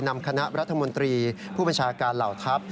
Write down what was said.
นำคณะรัฐมนตรีผู้บัญชาการเหล่าทัพ